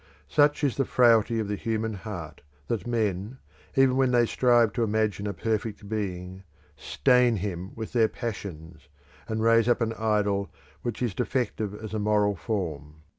Such is the frailty of the human heart that men, even when they strive to imagine a perfect being, stain him with their passions, and raise up an idol which is defective as a moral form.